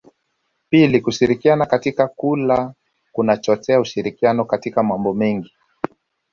Pili kushirikiana katika kula kunachochea ushirikiano katika mambo mengine